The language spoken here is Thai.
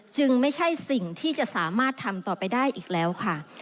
ไม่ใช่สิ่งที่จะสามารถทำต่อไปได้อีกแล้วค่ะ